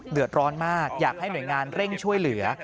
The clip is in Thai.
เดือดร้อนมากอยากให้หน่วยงานเร่งช่วยเหลือ